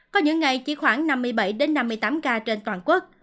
có những ngày chỉ khoảng năm mươi bảy năm mươi tám ca trên toàn quốc